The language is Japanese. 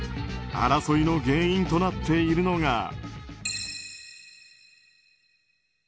争いの原因となっているのが。